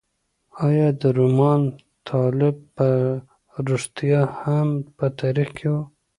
ایا د رومان اتلان په رښتیا هم په تاریخ کې وو؟